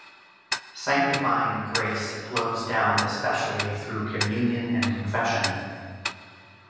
Sanctifying grace flows down especially through communion and confession.